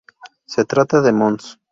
Se trata de Mons.